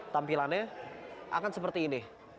tampilannya akan seperti ini